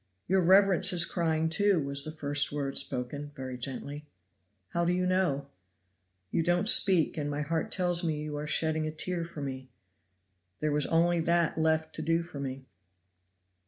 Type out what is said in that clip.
"Your reverence is crying, too!" was the first word spoken, very gently. "How do you know?" "You don't speak, and my heart tells me you are shedding a tear for me; there was only that left to do for me."